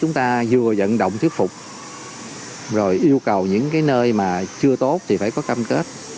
chúng ta vừa dẫn động thuyết phục rồi yêu cầu những cái nơi mà chưa tốt thì phải có cam kết